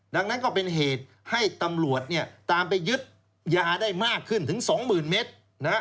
ดังนั้นก็เป็นเหตุให้ตำรวจตามไปยึดยาได้มากขึ้นถึง๒๐๐๐เมตร